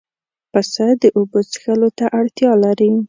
پسه د اوبو څښلو ته اړتیا لري.